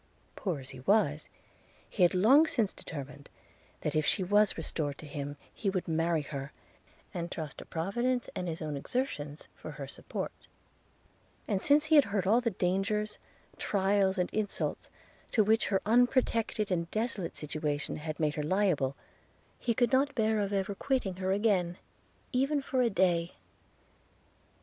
Poor as he was, he had long since determined, that if she was restored to him, he would marry her, and trust to Providence, and his own exertions, for her support: – and since he had heard all the dangers, trials, and insults, to which her unprotected and desolate situation had made her liable, he could not bear to think of ever quitting her again, even for a day.